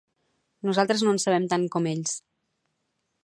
Nosaltres no en sabem tant com ells.